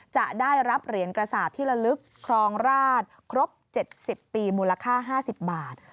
จะได้รับเหรียญกระสาปที่ละลึกครองราชครบ๗๐ปีมูลค่า๕๐บาท